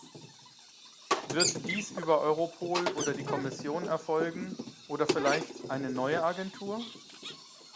Wird dies über Europol oder die Kommission erfolgen – oder vielleicht eine neue Agentur?